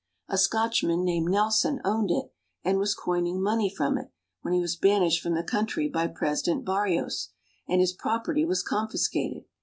A Scotchman named Nelson owned it, and was coining money from it, when he was banished from the country by President Barrios, and his property was confiscated.